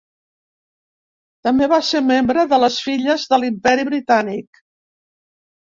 També va ser membre de les Filles de l'Imperi Britànic.